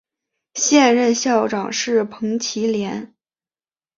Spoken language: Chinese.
现任校长是彭绮莲。